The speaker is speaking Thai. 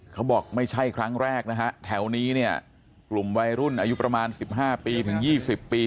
เขาบอกไม่ใช่ครั้งแรกนะฮะแถวนี้เนี่ยกลุ่มวัยรุ่นอายุประมาณ๑๕ปีถึง๒๐ปี